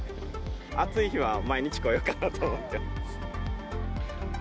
暑い日は毎日、来ようかなと思ってます。